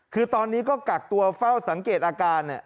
คือตอนนี้ก็กักตัวเฝ้าสังเกตอาการเนี่ย